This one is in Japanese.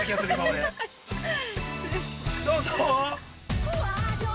どうぞ。